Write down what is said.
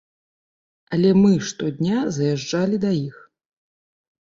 Але мы штодня заязджалі да іх.